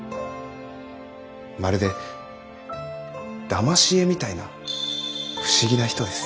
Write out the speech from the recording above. まるでだまし絵みたいな不思議な人です。